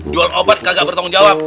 jual obat kagak bertanggung jawab